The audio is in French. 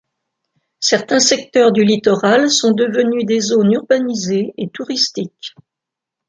Certains secteurs du littoral sont devenus des zones urbanisées et touristiques.